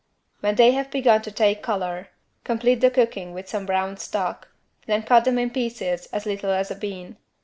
When they have begun to take color, complete the cooking with some brown stock, then cut them in pieces as little as a bean.